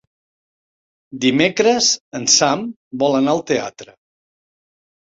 Dimecres en Sam vol anar al teatre.